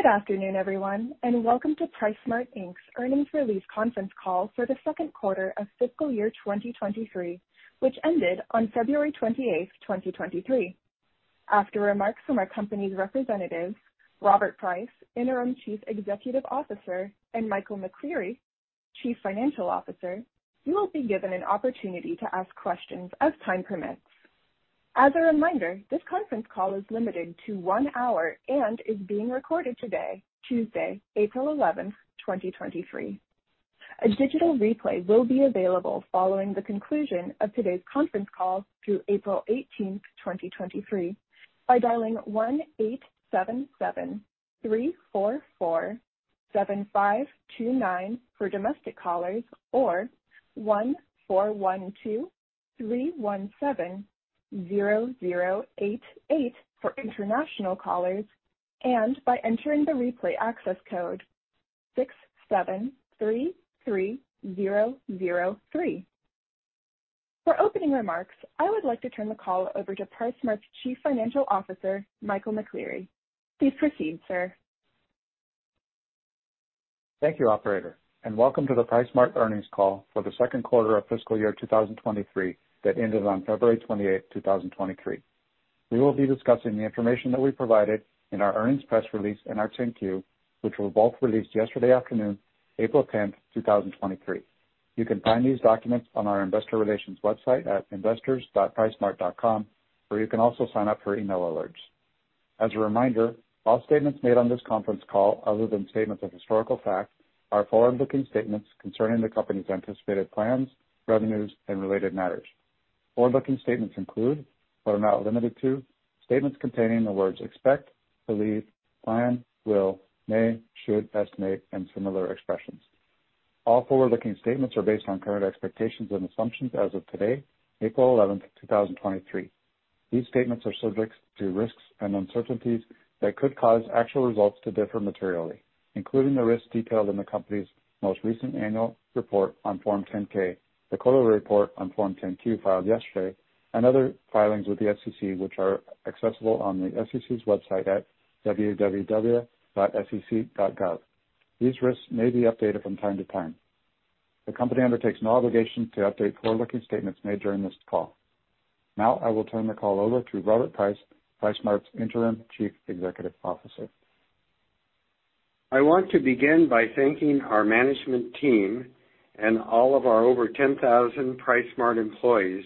Good afternoon, everyone, and welcome to PriceSmart, Inc.'s earnings release conference call for the second quarter of fiscal year 2023, which ended on February 28th, 2023. After remarks from our company's representatives, Robert Price, Interim Chief Executive Officer, and Michael McCleary, Chief Financial Officer, you will be given an opportunity to ask questions as time permits. As a reminder, this conference call is limited to one hour and is being recorded today, Tuesday, April 11th, 2023. A digital replay will be available following the conclusion of today's conference call through April 18th, 2023, by dialing one-eight seven seven-three four four-seven five two nine for domestic callers or one-four one two-three one seven-zero zero eight eight for international callers and by entering the replay access code six seven three three zero zero three. For opening remarks, I would like to turn the call over to PriceSmart's Chief Financial Officer, Michael McCleary. Please proceed, sir. Thank you, operator. Welcome to the PriceSmart earnings call for the second quarter of fiscal year 2023 that ended on February 28, 2023. We will be discussing the information that we provided in our earnings press release and our 10-Q, which were both released yesterday afternoon, April 10, 2023. You can find these documents on our investor relations website at investors.pricesmart.com, where you can also sign up for email alerts. As a reminder, all statements made on this conference call, other than statements of historical fact, are forward-looking statements concerning the company's anticipated plans, revenues, and related matters. Forward-looking statements include, but are not limited to, statements containing the words expect, believe, plan, will, may, should, estimate, and similar expressions. All forward-looking statements are based on current expectations and assumptions as of today, April 11, 2023. These statements are subject to risks and uncertainties that could cause actual results to differ materially, including the risks detailed in the company's most recent annual report on Form 10-K, the quarterly report on Form 10-Q filed yesterday, and other filings with the SEC, which are accessible on the SEC's website at www.sec.gov. These risks may be updated from time to time. The company undertakes no obligation to update forward-looking statements made during this call. Now I will turn the call over to Robert Price, PriceSmart's Interim Chief Executive Officer. I want to begin by thanking our management team and all of our over 10,000 PriceSmart employees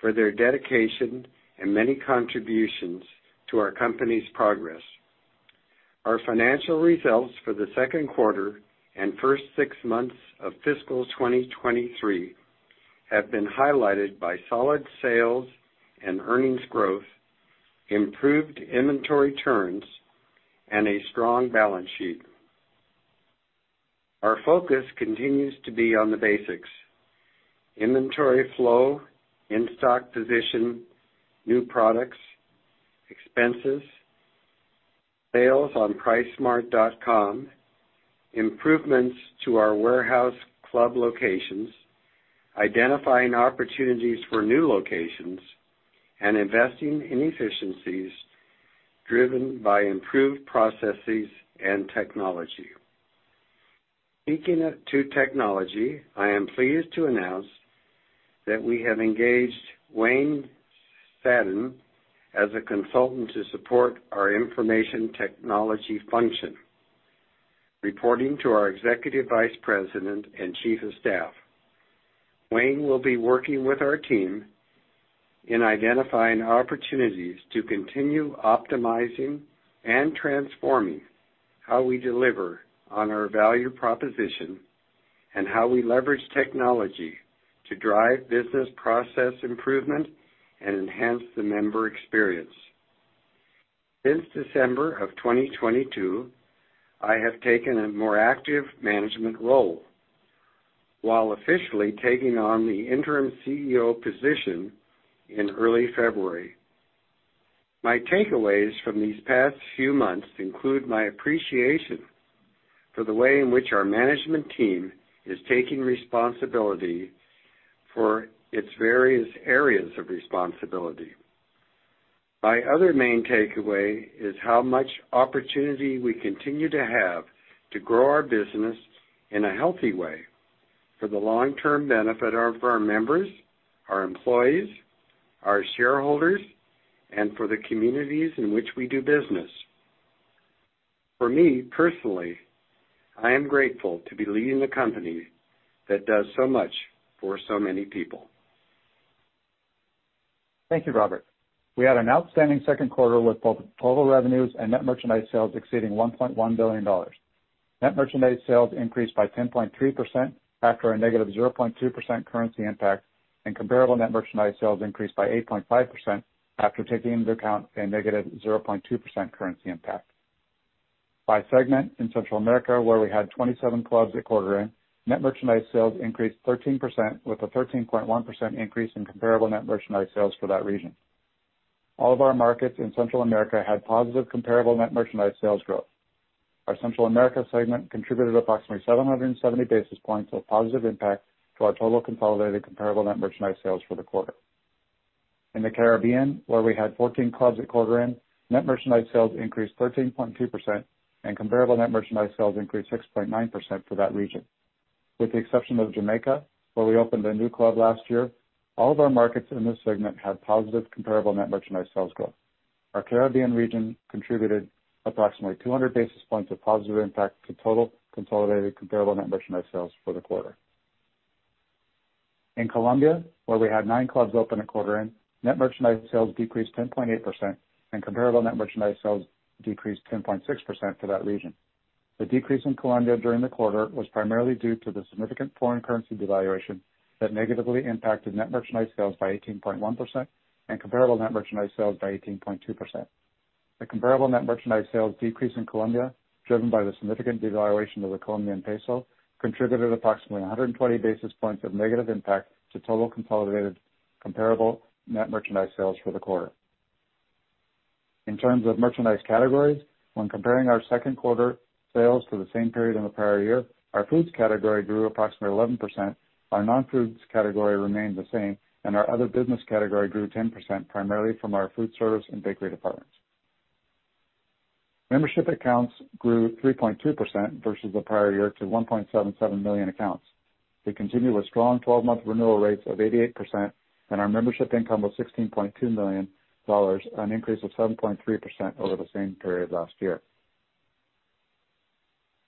for their dedication and many contributions to our company's progress. Our financial results for the second quarter and first six months of fiscal 2023 have been highlighted by solid sales and earnings growth, improved inventory turns, and a strong balance sheet. Our focus continues to be on the basics: inventory flow, in-stock position, new products, expenses, sales on pricesmart.com, improvements to our warehouse club locations, identifying opportunities for new locations, and investing in efficiencies driven by improved processes and technology. Speaking to technology, I am pleased to announce that we have engaged Wayne Sadin as a consultant to support our information technology function, reporting to our Executive Vice President and Chief of Staff. Wayne will be working with our team in identifying opportunities to continue optimizing and transforming how we deliver on our value proposition and how we leverage technology to drive business process improvement and enhance the member experience. Since December of 2022, I have taken a more active management role while officially taking on the Interim CEO position in early February. My takeaways from these past few months include my appreciation for the way in which our management team is taking responsibility for its various areas of responsibility. My other main takeaway is how much opportunity we continue to have to grow our business in a healthy way for the long-term benefit of our members, our employees, our shareholders, and for the communities in which we do business. For me, personally, I am grateful to be leading a company that does so much for so many people. Thank you, Robert. We had an outstanding second quarter with both total revenues and net merchandise sales exceeding $1.1 billion. Net merchandise sales increased by 10.3% after a -0.2% currency impact, and comparable net merchandise sales increased by 8.5% after taking into account a -0.2% currency impact. By segment, in Central America, where we had 27 clubs at quarter end, net merchandise sales increased 13% with a 13.1% increase in comparable net merchandise sales for that region. All of our markets in Central America had positive comparable net merchandise sales growth. Our Central America segment contributed approximately 770 basis points of positive impact to our total consolidated comparable net merchandise sales for the quarter. In the Caribbean, where we had 14 clubs at quarter end, net merchandise sales increased 13.2% and comparable net merchandise sales increased 6.9% for that region. With the exception of Jamaica, where we opened a new club last year, all of our markets in this segment had positive comparable net merchandise sales growth. Our Caribbean region contributed approximately 200 basis points of positive impact to total consolidated comparable net merchandise sales for the quarter. In Colombia, where we had nine clubs open at quarter end, net merchandise sales decreased 10.8%, and comparable net merchandise sales decreased 10.6% for that region. The decrease in Colombia during the quarter was primarily due to the significant foreign currency devaluation that negatively impacted net merchandise sales by 18.1% and comparable net merchandise sales by 18.2%. The comparable net merchandise sales decrease in Colombia, driven by the significant devaluation of the Colombian peso, contributed approximately 120 basis points of negative impact to total consolidated comparable net merchandise sales for the quarter. In terms of merchandise categories, when comparing our second quarter sales to the same period in the prior year, our foods category grew approximately 11%, our non-foods category remained the same, and our other business category grew 10%, primarily from our food service and bakery departments. Membership accounts grew 3.2% versus the prior year to 1.77 million accounts. We continue with strong 12-month renewal rates of 88%, and our membership income was $16.2 million, an increase of 7.3% over the same period last year.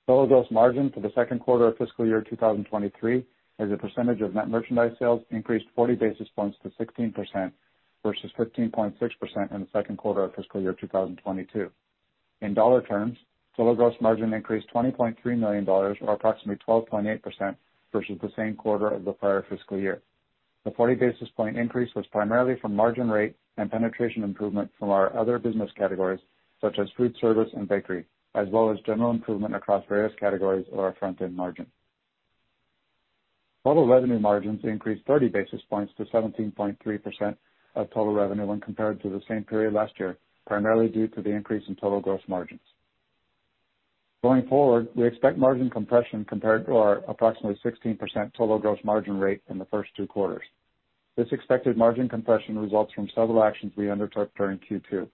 Total gross margin for the second quarter of fiscal year 2023 as a percentage of net merchandise sales increased 40 basis points to 16% versus 15.6% in the second quarter of fiscal year 2022. In dollar terms, total gross margin increased $20.3 million or approximately 12.8% versus the same quarter of the prior fiscal year. The 40 basis point increase was primarily from margin rate and penetration improvement from our other business categories, such as food service and bakery, as well as general improvement across various categories of our front-end margin. Total revenue margins increased 30 basis points to 17.3% of total revenue when compared to the same period last year, primarily due to the increase in total gross margins. Going forward, we expect margin compression compared to our approximately 16% total gross margin rate in the first two quarters. This expected margin compression results from several actions we undertook during Q2.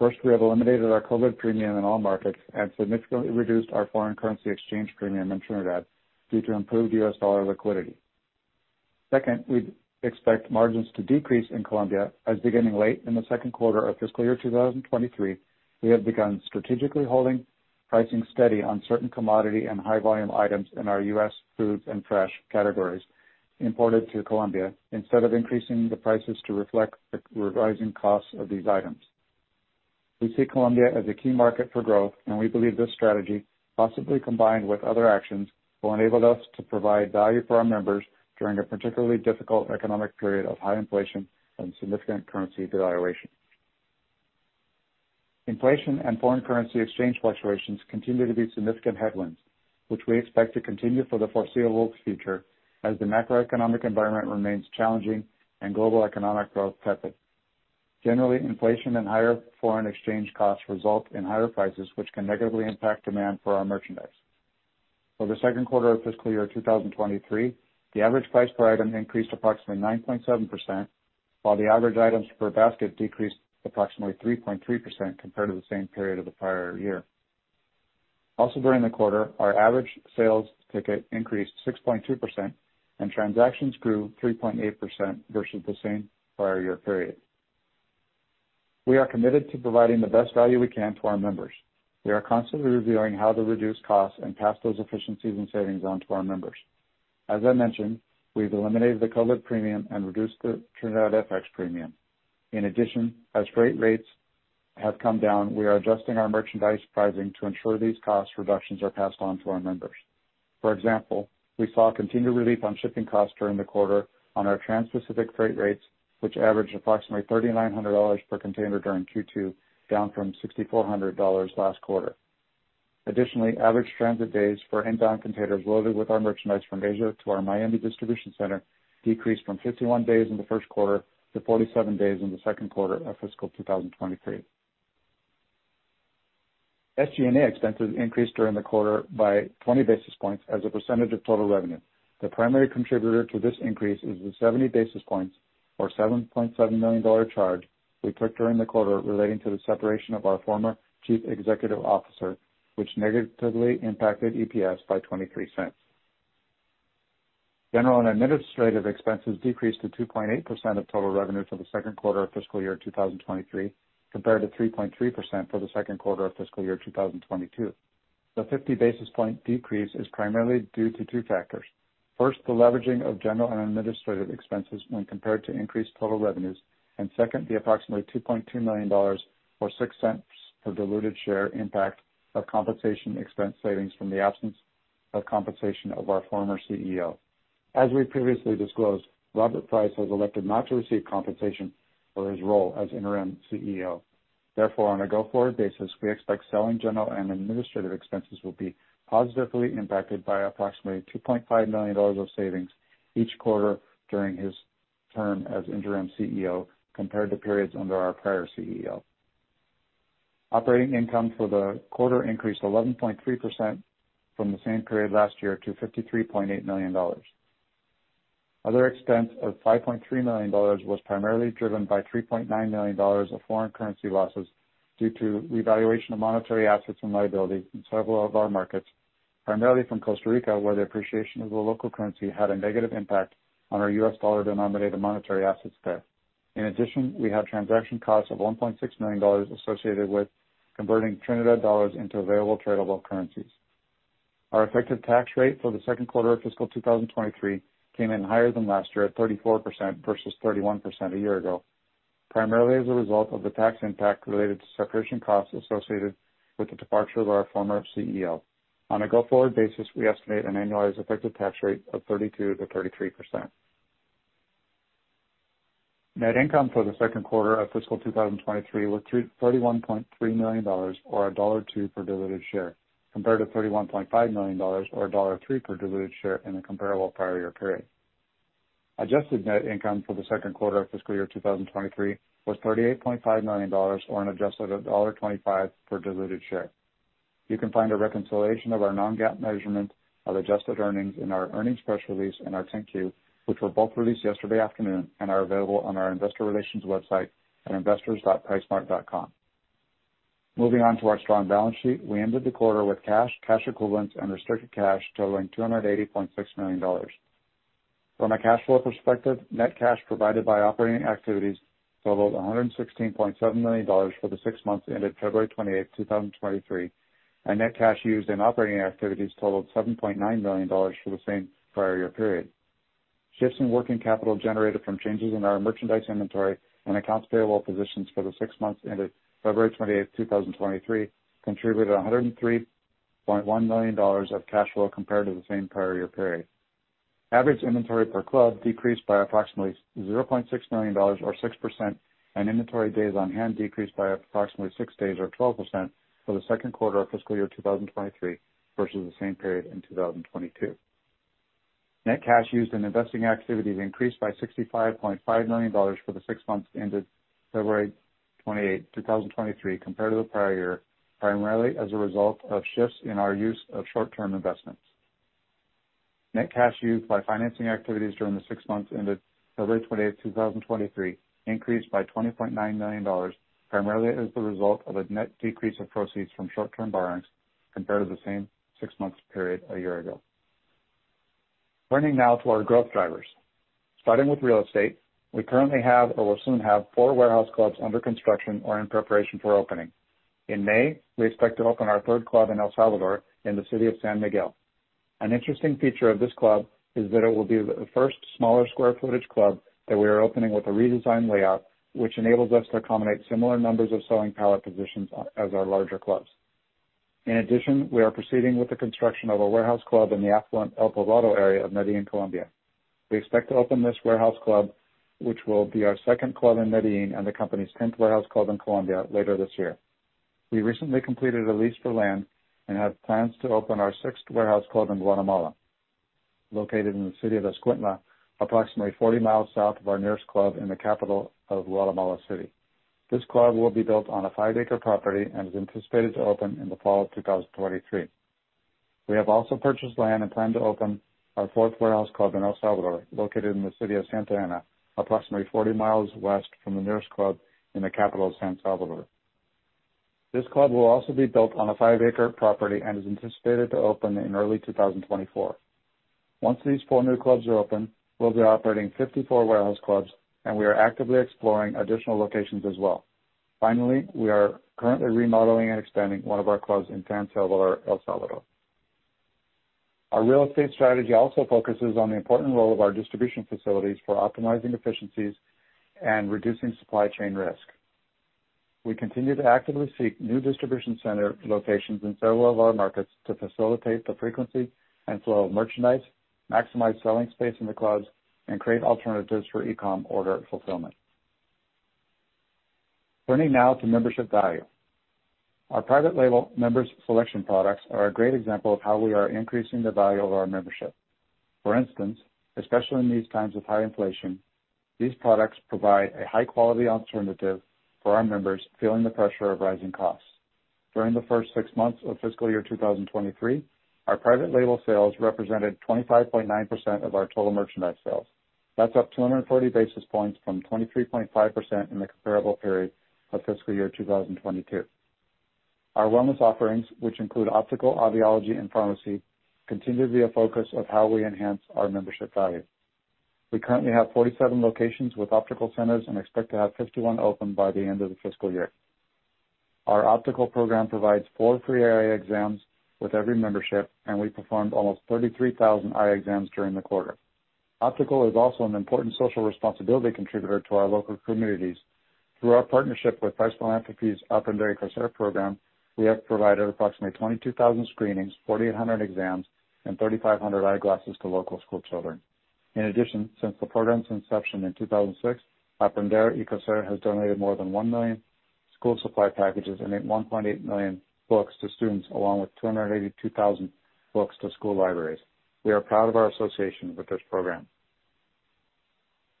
First, we have eliminated our COVID premium in all markets and significantly reduced our foreign currency exchange premium in Trinidad due to improved U.S. dollar liquidity. Second, we expect margins to decrease in Colombia as beginning late in the second quarter of fiscal year 2023, we have begun strategically holding pricing steady on certain commodity and high volume items in our US foods and fresh categories imported to Colombia, instead of increasing the prices to reflect the rising costs of these items. We see Colombia as a key market for growth, and we believe this strategy, possibly combined with other actions, will enable us to provide value for our members during a particularly difficult economic period of high inflation and significant currency devaluation. Inflation and foreign currency exchange fluctuations continue to be significant headwinds, which we expect to continue for the foreseeable future as the macroeconomic environment remains challenging and global economic growth tepid. Generally, inflation and higher foreign exchange costs result in higher prices, which can negatively impact demand for our merchandise. For the second quarter of fiscal year 2023, the average price per item increased approximately 9.7%, while the average items per basket decreased approximately 3.3% compared to the same period of the prior year. Also during the quarter, our average sales ticket increased 6.2%, and transactions grew 3.8% versus the same prior year period. We are committed to providing the best value we can to our members. We are constantly reviewing how to reduce costs and pass those efficiencies and savings on to our members. As I mentioned, we've eliminated the COVID premium and reduced the Trinidad FX premium. In addition, as freight rates have come down, we are adjusting our merchandise pricing to ensure these cost reductions are passed on to our members. For example, we saw continued relief on shipping costs during the quarter on our transpacific freight rates, which averaged approximately $3,900 per container during Q2, down from $6,400 last quarter. Additionally, average transit days for inbound containers loaded with our merchandise from Asia to our Miami distribution center decreased from 51 days in the first quarter to 47 days in the second quarter of fiscal 2023. SG&A expenses increased during the quarter by 20 basis points as a percentage of total revenue. The primary contributor to this increase is the 70 basis points or $7.7 million charge we took during the quarter relating to the separation of our former Chief Executive Officer, which negatively impacted EPS by $0.23. General and administrative expenses decreased to 2.8% of total revenue for the second quarter of fiscal year 2023, compared to 3.3% for the second quarter of fiscal year 2022. The 50 basis point decrease is primarily due to two factors. First, the leveraging of general and administrative expenses when compared to increased total revenues. Second, the approximately $2.2 million or $0.06 per diluted share impact of compensation expense savings from the absence of compensation of our former CEO. As we previously disclosed, Robert Price has elected not to receive compensation for his role as Interim CEO. Therefore, on a go-forward basis, we expect selling, general and administrative expenses will be positively impacted by approximately $2.5 million of savings each quarter during his term as Interim CEO compared to periods under our prior CEO. Operating income for the quarter increased 11.3% from the same period last year to $53.8 million. Other expense of $5.3 million was primarily driven by $3.9 million of foreign currency losses due to revaluation of monetary assets and liability in several of our markets, primarily from Costa Rica, where the appreciation of the local currency had a negative impact on our U.S. dollar-denominated monetary assets there. In addition, we had transaction costs of $1.6 million associated with converting Trinidad dollars into available tradable currencies. Our effective tax rate for the second quarter of fiscal 2023 came in higher than last year at 34% versus 31% a year ago, primarily as a result of the tax impact related to separation costs associated with the departure of our former CEO. On a go-forward basis, we estimate an annualized effective tax rate of 32%-33%. Net income for the second quarter of fiscal 2023 was $31.3 million or $1.02 per diluted share, compared to $31.5 million or $1.03 per diluted share in the comparable prior year period. Adjusted net income for the second quarter of fiscal year 2023 was $38.5 million or an adjusted of $1.25 per diluted share. You can find a reconciliation of our non-GAAP measurement of adjusted earnings in our earnings press release and our 10-Q, which were both released yesterday afternoon and are available on our investor relations website at investors.pricesmart.com. Moving on to our strong balance sheet. We ended the quarter with cash equivalents and restricted cash totaling $280.6 million. From a cash flow perspective, net cash provided by operating activities totaled $116.7 million for the six months ended February 28, 2023, and net cash used in operating activities totaled $7.9 million for the same prior year period. Shifts in working capital generated from changes in our merchandise inventory and accounts payable positions for the six months ended February 28, 2023 contributed $103.1 million of cash flow compared to the same prior year period. Average inventory per club decreased by approximately $0.6 million or 6%, and inventory days on hand decreased by approximately six days or 12% for the second quarter of fiscal year 2023 versus the same period in 2022. Net cash used in investing activities increased by $65.5 million for the six months ended February 28, 2023, compared to the prior year, primarily as a result of shifts in our use of short-term investments. Net cash used by financing activities during the six months ended February 28, 2023 increased by $20.9 million, primarily as the result of a net decrease of proceeds from short-term borrowings compared to the same six months period a year ago. Turning now to our growth drivers. Starting with real estate, we currently have or will soon have four warehouse clubs under construction or in preparation for opening. In May, we expect to open our third club in El Salvador in the city of San Miguel. An interesting feature of this club is that it will be the first smaller square footage club that we are opening with a redesigned layout, which enables us to accommodate similar numbers of selling pallet positions as our larger clubs. In addition, we are proceeding with the construction of a warehouse club in the affluent El Poblado area of Medellín, Colombia. We expect to open this warehouse club, which will be our second club in Medellín and the company's 10th warehouse club in Colombia later this year. We recently completed a lease for land and have plans to open our 6th warehouse club in Guatemala, located in the city of Escuintla, approximately 40 miles south of our nearest club in the capital of Guatemala City. This club will be built on a five-acre property and is anticipated to open in the fall of 2023. We have also purchased land and plan to open our fourth warehouse club in El Salvador, located in the city of Santa Ana, approximately 40 miles west from the nearest club in the capital of San Salvador. This club will also be built on a five-acre property and is anticipated to open in early 2024. Once these four new clubs are open, we'll be operating 54 warehouse clubs, and we are actively exploring additional locations as well. Finally, we are currently remodeling and expanding one of our clubs in San Salvador, El Salvador. Our real estate strategy also focuses on the important role of our distribution facilities for optimizing efficiencies and reducing supply chain risk. We continue to actively seek new distribution center locations in several of our markets to facilitate the frequency and flow of merchandise, maximize selling space in the clubs, and create alternatives for e-com order fulfillment. Turning now to membership value. Our private label Member's Selection products are a great example of how we are increasing the value of our membership. For instance, especially in these times of high inflation, these products provide a high quality alternative for our members feeling the pressure of rising costs. During the first six months of fiscal year 2023, our private label sales represented 25.9% of our total merchandise sales. That's up 240 basis points from 23.5% in the comparable period of fiscal year 2022. Our wellness offerings, which include optical, audiology and pharmacy, continue to be a focus of how we enhance our membership value. We currently have 47 locations with optical centers and expect to have 51 open by the end of the fiscal year. Our optical program provides four free eye exams with every membership, and we performed almost 33,000 eye exams during the quarter. Optical is also an important social responsibility contributor to our local communities. Through our partnership with Price Philanthropies' Aprender y Crecer program, we have provided approximately 22,000 screenings, 4,800 exams, and 3,500 eyeglasses to local schoolchildren. In addition, since the program's inception in 2006, Aprender y Crecer has donated more than 1 million school supply packages and 1.8 million books to students, along with 282,000 books to school libraries. We are proud of our association with this program.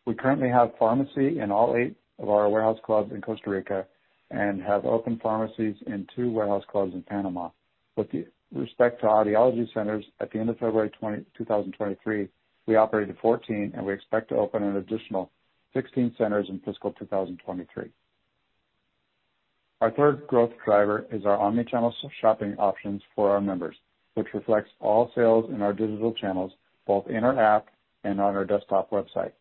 We currently have pharmacy in all eight of our warehouse clubs in Costa Rica and have opened pharmacies in two warehouse clubs in Panama. With respect to audiology centers, at the end of February 2023, we operated 14, and we expect to open an additional 16 centers in fiscal 2023. Our third growth driver is our omni-channel shopping options for our members, which reflects all sales in our digital channels, both in our app and on our desktop website.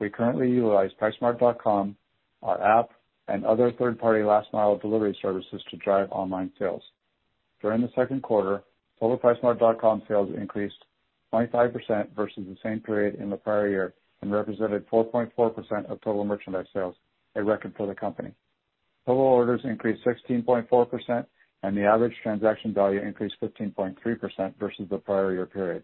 We currently utilize pricesmart.com, our app, and other third-party last mile delivery services to drive online sales. During the second quarter, total pricesmart.com sales increased 25% versus the same period in the prior year and represented 4.4% of total merchandise sales, a record for the company. Total orders increased 16.4%. The average transaction value increased 15.3% versus the prior year period.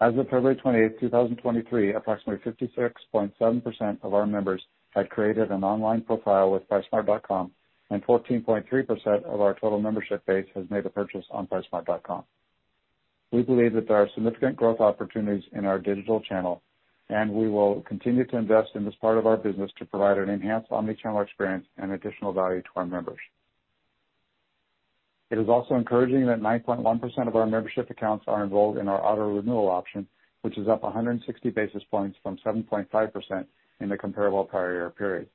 As of February 28, 2023, approximately 56.7% of our members had created an online profile with pricesmart.com. 14.3% of our total membership base has made a purchase on pricesmart.com. We believe that there are significant growth opportunities in our digital channel. We will continue to invest in this part of our business to provide an enhanced omni-channel experience and additional value to our members. It is also encouraging that 9.1% of our membership accounts are enrolled in our auto renewal option, which is up 160 basis points from 7.5% in the comparable prior year period.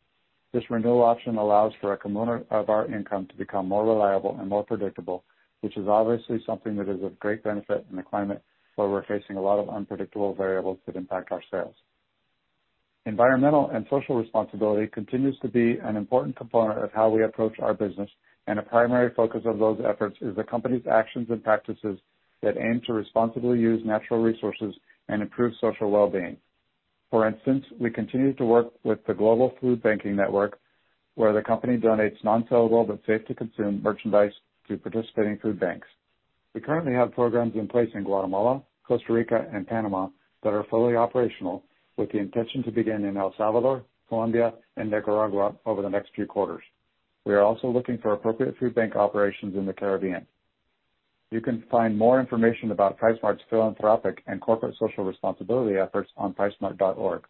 This renewal option allows for a component of our income to become more reliable and more predictable, which is obviously something that is of great benefit in a climate where we're facing a lot of unpredictable variables that impact our sales. Environmental and social responsibility continues to be an important component of how we approach our business, and a primary focus of those efforts is the company's actions and practices that aim to responsibly use natural resources and improve social well-being. For instance, we continue to work with The Global FoodBanking Network, where the company donates non-sellable but safe to consume merchandise to participating food banks. We currently have programs in place in Guatemala, Costa Rica and Panama that are fully operational, with the intention to begin in El Salvador, Colombia and Nicaragua over the next few quarters. We are also looking for appropriate food bank operations in the Caribbean. You can find more information about PriceSmart's philanthropic and corporate social responsibility efforts on pricesmart.org.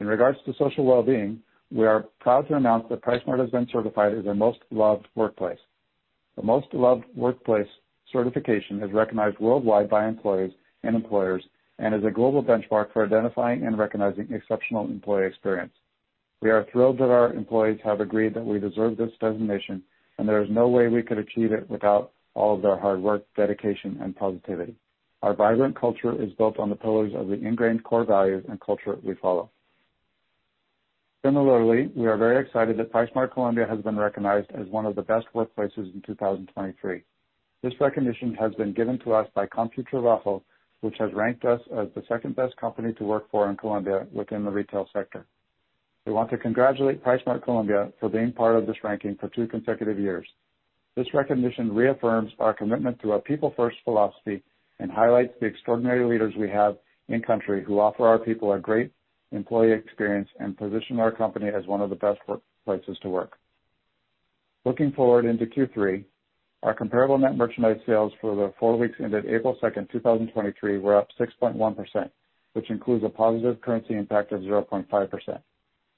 In regards to social well-being, we are proud to announce that PriceSmart has been certified as a Most Loved Workplace. The Most Loved Workplace certification is recognized worldwide by employees and employers and is a global benchmark for identifying and recognizing exceptional employee experience. We are thrilled that our employees have agreed that we deserve this designation, and there is no way we could achieve it without all of their hard work, dedication and positivity. Our vibrant culture is built on the pillars of the ingrained core values and culture we follow. Similarly, we are very excited that PriceSmart Colombia has been recognized as one of the Best Workplaces in 2023. This recognition has been given to us by Computrabajo, which has ranked us as the second-best company to work for in Colombia within the retail sector. We want to congratulate PriceSmart Colombia for being part of this ranking for two consecutive years. This recognition reaffirms our commitment to our people first philosophy and highlights the extraordinary leaders we have in country who offer our people a great employee experience and position our company as one of the best workplaces to work. Looking forward into Q3, our comparable net merchandise sales for the four weeks ended April 2nd, 2023 were up 6.1%, which includes a positive currency impact of 0.5%.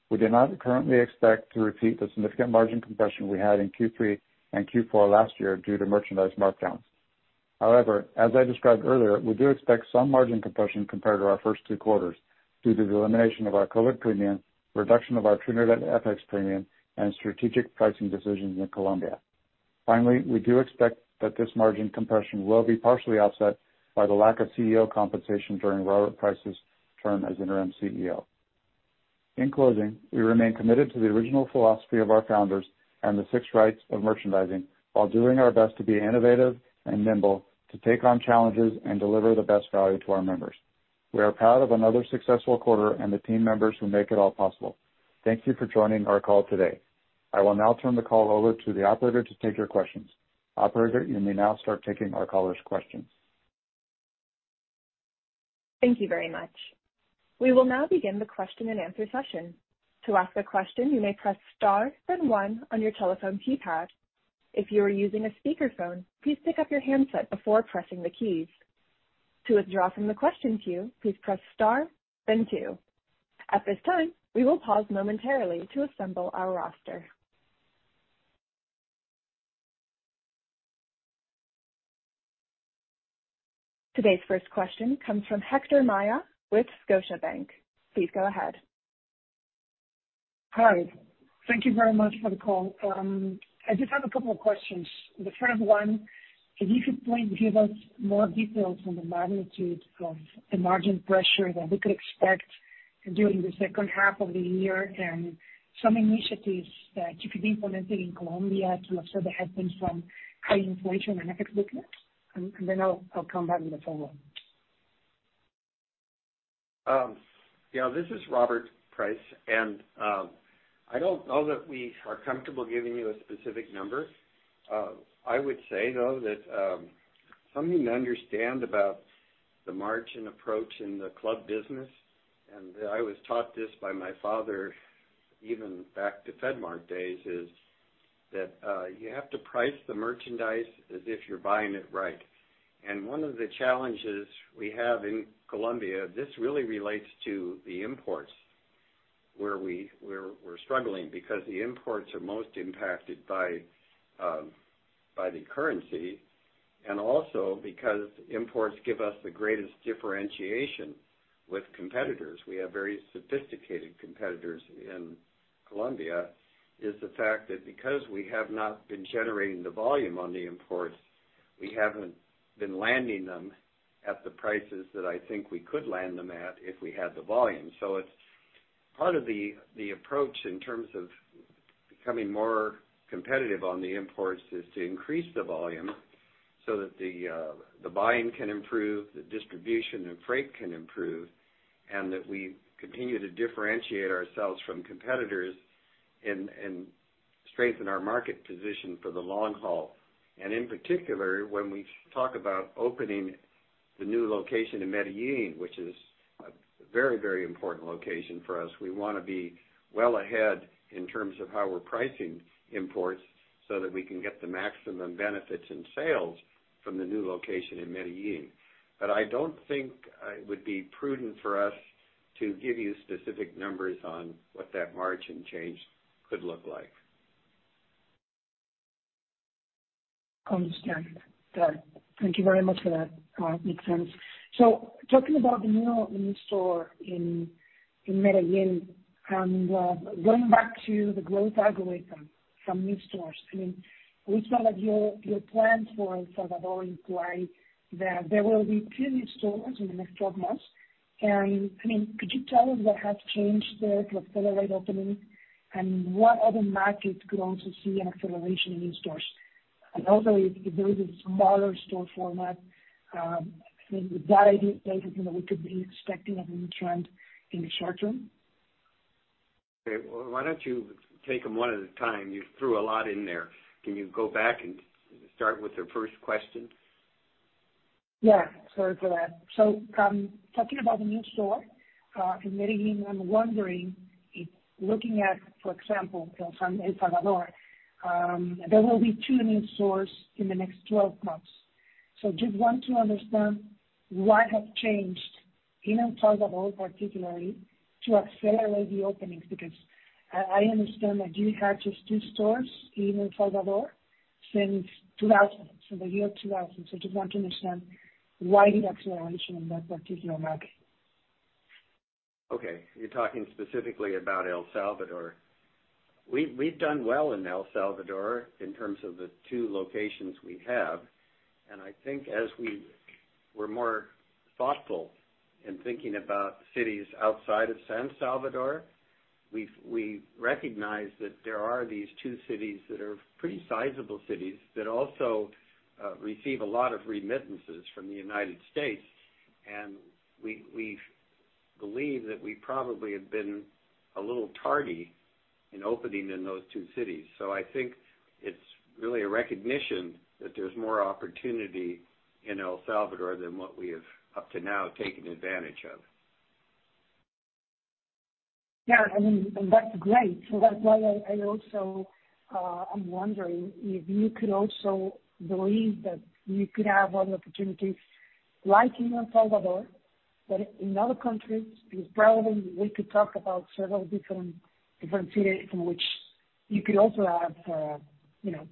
We do not currently expect to repeat the significant margin compression we had in Q3 and Q4 last year due to merchandise markdowns. As I described earlier, we do expect some margin compression compared to our first two quarters due to the elimination of our COVID premium, reduction of our Trinidad FX premium, and strategic pricing decisions in Colombia. We do expect that this margin compression will be partially offset by the lack of CEO compensation during Robert Price's term as interim CEO. In closing, we remain committed to the original philosophy of our founders and the Six Rights of Merchandising while doing our best to be innovative and nimble to take on challenges and deliver the best value to our members. We are proud of another successful quarter and the team members who make it all possible. Thank you for joining our call today. I will now turn the call over to the operator to take your questions. Operator, you may now start taking our callers' questions. Thank you very much. We will now begin the question-and-answer session. To ask a question, you may press star then one on your telephone keypad. If you are using a speakerphone, please pick up your handset before pressing the keys. To withdraw from the question queue, please press star then two. At this time, we will pause momentarily to assemble our roster. Today's first question comes from Héctor Maya with Scotiabank. Please go ahead. Hi. Thank you very much for the call. I just have a couple of questions. The first one, could you please give us more details on the magnitude of the margin pressure that we could expect during the second half of the year and some initiatives that you could be implementing in Colombia to absorb the headwinds from high inflation and FX weakness? I'll come back with a follow-up. This is Robert Price. I don't know that we are comfortable giving you a specific number. I would say, though, that something to understand about the margin approach in the club business, and I was taught this by my father even back to FedMart days, is that you have to price the merchandise as if you're buying it right. One of the challenges we have in Colombia, this really relates to the imports where we're struggling because the imports are most impacted by the currency and also because imports give us the greatest differentiation with competitors. We have very sophisticated competitors in Colombia, is the fact that because we have not been generating the volume on the imports, we haven't been landing them at the prices that I think we could land them at if we had the volume. It's part of the approach in terms of becoming more competitive on the imports is to increase the volume so that the buying can improve, the distribution and freight can improve, and that we continue to differentiate ourselves from competitors and strengthen our market position for the long haul. In particular, when we talk about opening the new location in Medellín, which is a very, very important location for us, we wanna be well ahead in terms of how we're pricing imports so that we can get the maximum benefits in sales from the new location in Medellín. I don't think it would be prudent for us to give you specific numbers on what that margin change could look like. Understand. Yeah. Thank you very much for that. Makes sense. Talking about the new store in Medellín, going back to the growth algorithm from new stores, I mean, we saw that your plans for El Salvador imply that there will be two new stores in the next 12 months. I mean, could you tell us what has changed there to accelerate opening, and what other markets could also see an acceleration in new stores? Also if there is a smaller store format, I think with that idea, you know, we could be expecting a new trend in the short term. Okay. Well, why don't you take them one at a time? You threw a lot in there. Can you go back and start with the first question? Yeah, sorry for that. Talking about the new store in Medellín, I'm wondering if looking at, for example, El Salvador, there will be two new stores in the next 12 months. Just want to understand what have changed in El Salvador, particularly to accelerate the openings, because I understand that you had just two stores in El Salvador since 2000, so the year 2000. Just want to understand why the acceleration in that particular market. You're talking specifically about El Salvador. We've done well in El Salvador in terms of the two locations we have, and I think as we were more thoughtful in thinking about cities outside of San Salvador, we've recognized that there are these two cities that are pretty sizable cities that also receive a lot of remittances from the United States. We believe that we probably have been a little tardy in opening in those two cities. I think it's really a recognition that there's more opportunity in El Salvador than what we have up to now taken advantage of. Yeah. I mean, that's great. That's why I also, I'm wondering if you could also believe that you could have other opportunities like in El Salvador, in other countries, it's probably we could talk about several different cities in which you could also have, you know,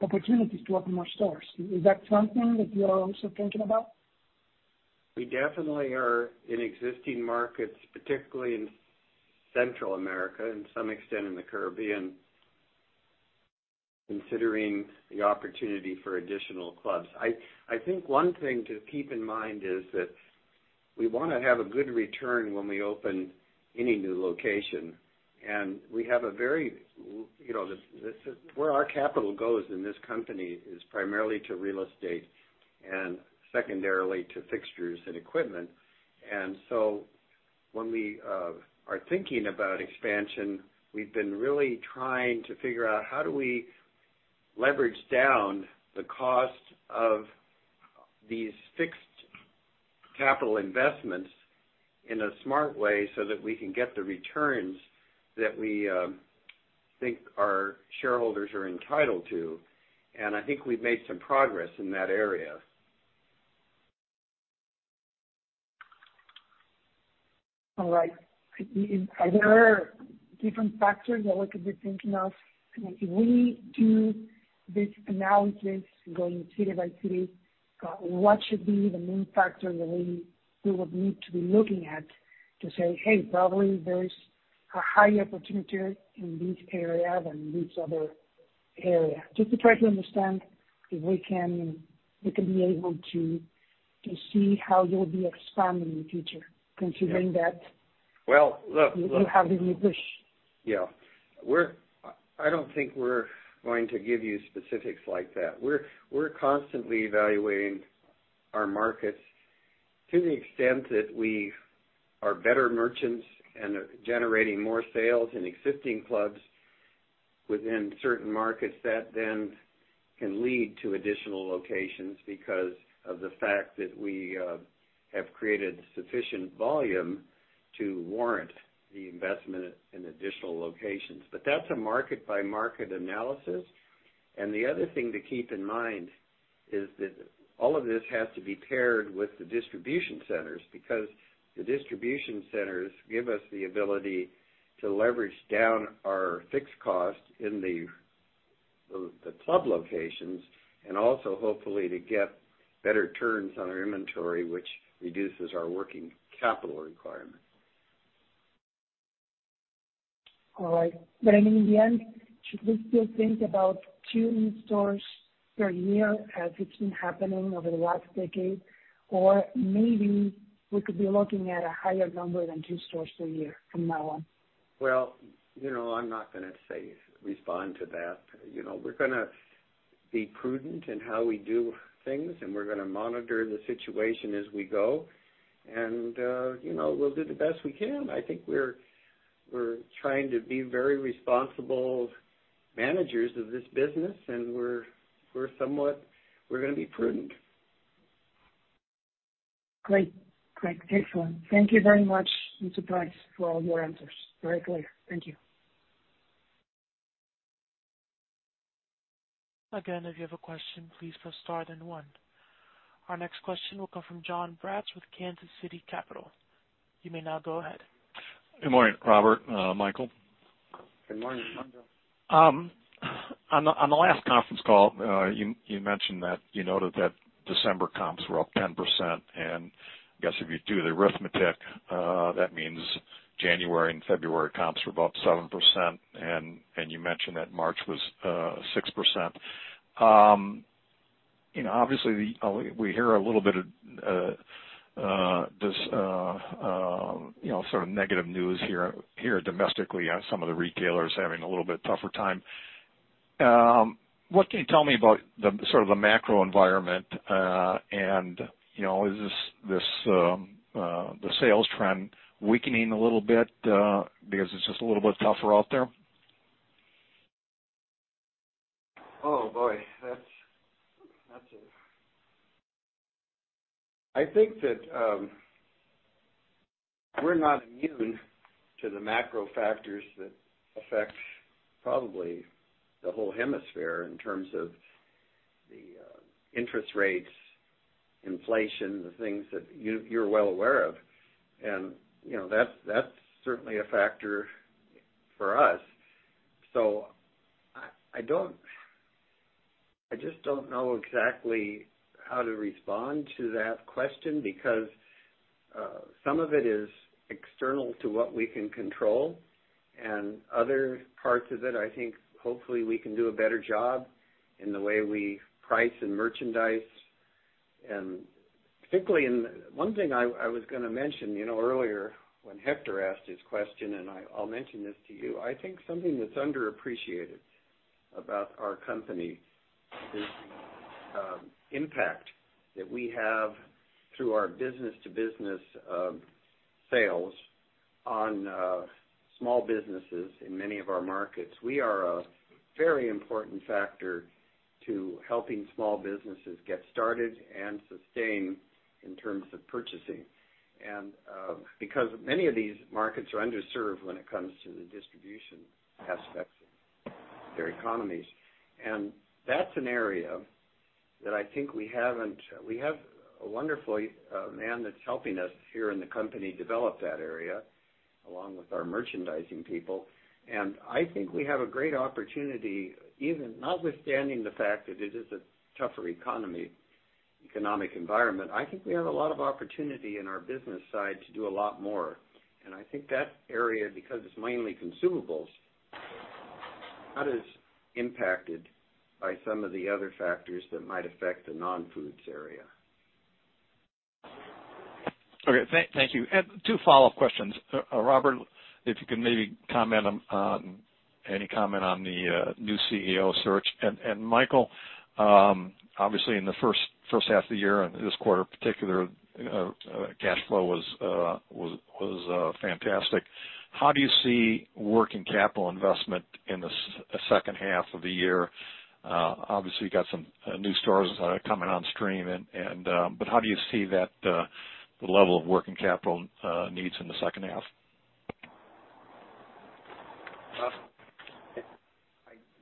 opportunities to open more stores. Is that something that you are also thinking about? We definitely are in existing markets, particularly in Central America and some extent in the Caribbean, considering the opportunity for additional clubs. I think one thing to keep in mind is that we wanna have a good return when we open any new location, and we have a very, you know, this is where our capital goes in this company is primarily to real estate and secondarily to fixtures and equipment. When we are thinking about expansion, we've been really trying to figure out how do we leverage down the cost of these fixed capital investments in a smart way so that we can get the returns that we think our shareholders are entitled to. I think we've made some progress in that area. All right. Are there different factors that we could be thinking of? I mean, if we do this analysis going city by city, what should be the main factor that we would need to be looking at to say, "Hey, probably there's a high opportunity in this area than this other area," just to try to understand if we can be able to see how you'll be expanding in the future, considering that- Well, look. You have the new push? Yeah. We don't think we're going to give you specifics like that. We're constantly evaluating our markets to the extent that we are better merchants and are generating more sales in existing clubs within certain markets that then can lead to additional locations because of the fact that we have created sufficient volume to warrant the investment in additional locations. That's a market by market analysis. The other thing to keep in mind is that all of this has to be paired with the distribution centers, because the distribution centers give us the ability to leverage down our fixed costs in the club locations and also hopefully to get better turns on our inventory, which reduces our working capital requirement. All right. I mean, in the end, should we still think about two new stores per year as it's been happening over the last decade? maybe we could be looking at a higher number than two stores per year from now on? Well, you know, I'm not gonna say respond to that. You know, we're gonna be prudent in how we do things, and we're gonna monitor the situation as we go, and, you know, we'll do the best we can. I think we're trying to be very responsible managers of this business and we're gonna be prudent. Great. Excellent. Thank you very much, Mr. Price, for all your answers. Very clear. Thank you. Again, if you have a question, please press star then one. Our next question will come from Jon Braatz with Kansas City Capital. You may now go ahead. Good morning, Robert, Michael. Good morning, Jon. On the last conference call, you mentioned that you noted that December comps were up 10%, I guess if you do the arithmetic, that means January and February comps were up 7%. You mentioned that March was 6%. You know, obviously we hear a little bit of this, you know, sort of negative news here domestically on some of the retailers having a little bit tougher time. What can you tell me about the sort of the macro environment? You know, is the sales trend weakening a little bit because it's just a little bit tougher out there? Oh, boy. I think that we're not immune to the macro factors that affect probably the whole hemisphere in terms of the interest rates, inflation, the things that you're well aware of. you know, that's certainly a factor for us. I just don't know exactly how to respond to that question because some of it is external to what we can control, and other parts of it, I think hopefully we can do a better job in the way we price and merchandise. Particularly one thing I was gonna mention, you know earlier, when Hector asked his question, and I'll mention this to you, I think something that's underappreciated about our company is impact that we have through our business-to-business sales on small businesses in many of our markets. We are a very important factor to helping small businesses get started and sustain in terms of purchasing. Because many of these markets are underserved when it comes to the distribution aspects of their economies. That's an area that I think we have a wonderful man that's helping us here in the company develop that area along with our merchandising people. I think we have a great opportunity, even notwithstanding the fact that it is a tougher economy, economic environment, I think we have a lot of opportunity in our business side to do a lot more. I think that area, because it's mainly consumables, not as impacted by some of the other factors that might affect the non-foods area. Okay. Thank you. Two follow-up questions. Robert, if you can maybe comment on any comment on the new CEO search. Michael, obviously in the first half of the year and this quarter particular, cash flow was fantastic. How do you see working capital investment in the second half of the year? Obviously you got some new stores coming on stream and, but how do you see that the level of working capital needs in the second half?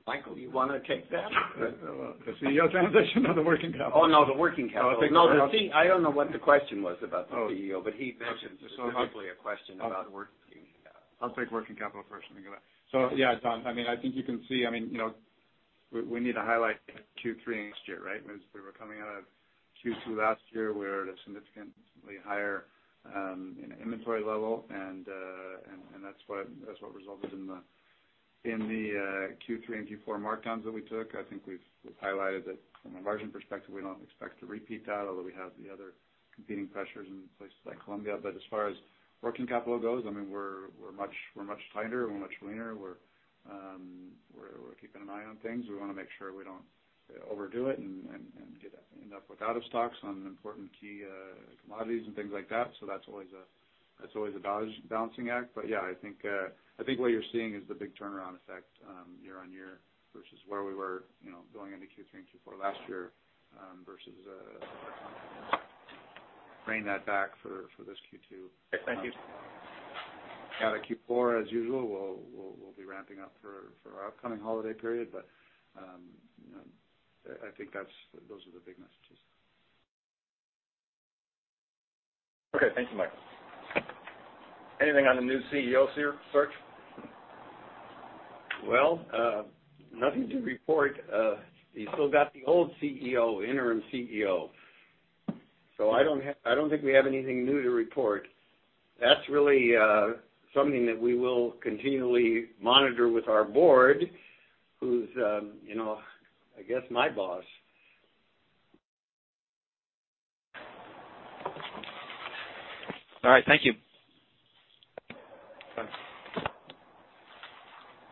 Michael, you wanna take that? The CEO transition or the working capital? No, the working capital. I don't know what the question was about the CEO, but he mentioned- Hopefully a question about working capital. I'll take working capital first and then go back. Yeah, Jon, I mean, I think you can see, I mean, you know, we need to highlight Q3 next year, right? As we were coming out of Q2 last year, we were at a significantly higher in inventory level and that's what resulted in the Q3 and Q4 markdowns that we took. I think we've highlighted that from a margin perspective, we don't expect to repeat that, although we have the other competing pressures in places like Colombia. As far as working capital goes, I mean, we're much tighter, we're much leaner. We're keeping an eye on things. We wanna make sure we don't overdo it and end up with out of stocks on important key commodities and things like that. That's always a balancing act. Yeah, I think what you're seeing is the big turnaround effect year-over-year versus where we were, you know, going into Q3 and Q4 last year versus bringing that back for this Q2. Thank you. Out of Q4 as usual, we'll be ramping up for our upcoming holiday period. You know, I think that's those are the big messages. Okay. Thank you, Michael. Anything on the new CEO search? Well, nothing to report. You still got the old CEO, Interim CEO. I don't think we have anything new to report. That's really, something that we will continually monitor with our board, who's, you know, I guess my boss. All right. Thank you.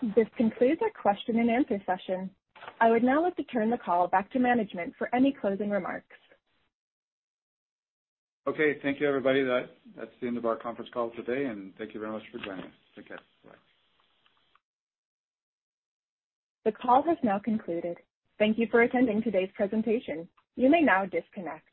Thanks. This concludes our question-and-answer session. I would now like to turn the call back to management for any closing remarks. Okay. Thank you, everybody. That's the end of our conference call today. Thank you very much for joining us. Take care. Bye. The call has now concluded. Thank you for attending today's presentation. You may now disconnect.